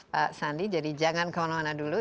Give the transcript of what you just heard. pak sandi jadi jangan kemana mana dulu